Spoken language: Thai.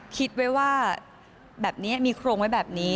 คิดไว้ว่าแบบนี้